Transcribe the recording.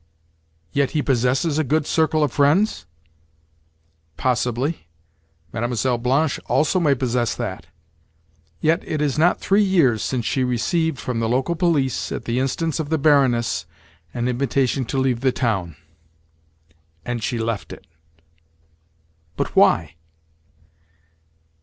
"Yet he possesses a good circle of friends?" "Possibly. Mlle. Blanche also may possess that. Yet it is not three years since she received from the local police, at the instance of the Baroness, an invitation to leave the town. And she left it." "But why?"